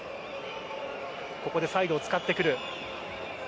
ここでサイドを使ってくる。